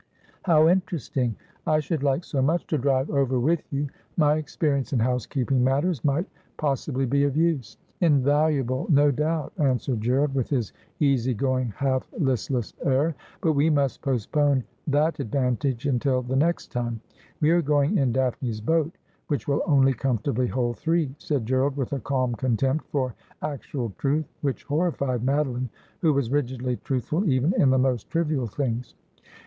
' How interesting ! I should like so much to drive over ' Of Colour Pale and Dead was She.' 109 with you. My experience in housekeeping matters might pos sibly be of use.' 'Invaluable, no doubt,' answered G erald, with his easy going, half listless air ;' but we must postpone that advantage until the next time. We are going in Daphne's boat, which will only comfortably hold three,' said Gerald, with a calm contempt for actual truth which horrified Madeline, who was rigidly truthful even in the most trivial things.